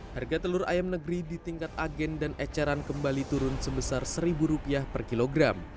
harga telur ayam negeri di tingkat agen dan eceran kembali turun sebesar rp satu per kilogram